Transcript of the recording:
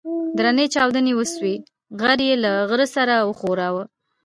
درنې چاودنې وسوې غر يې له غره سره وښوراوه.